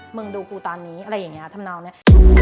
มึงดูกูตอนนี้อะไรอย่างนี้ทำนองเนี่ย